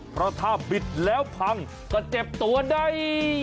เพราะถ้าบิดแล้วพังก็เจ็บตัวได้